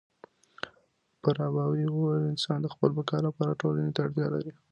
فارابي وويل چي انسان د خپل بقا لپاره ټولني ته اړتيا لري.